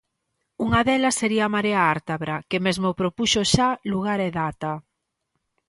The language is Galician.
Unha delas sería a Marea Ártabra, que mesmo propuxo xa lugar e data.